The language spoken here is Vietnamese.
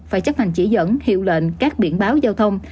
phải chấp hành chỉ dẫn hiệu lệnh các biển báo giao thông